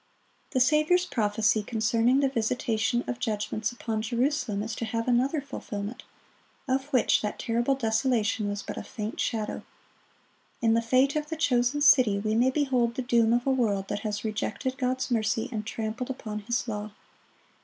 The Saviour's prophecy concerning the visitation of judgments upon Jerusalem is to have another fulfilment, of which that terrible desolation was but a faint shadow. In the fate of the chosen city we may behold the doom of a world that has rejected God's mercy and trampled upon His law.